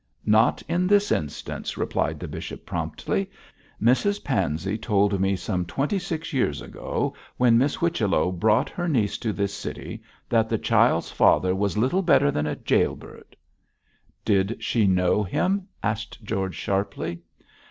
'Not in this instance,' replied the bishop, promptly. 'Mrs Pansey told me some twenty six years ago, when Miss Whichello brought her niece to this city, that the child's father was little better than a gaol bird.' 'Did she know him?' asked George, sharply.